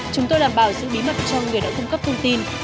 chúng tôi đảm bảo sự bí mật cho người đã cung cấp thông tin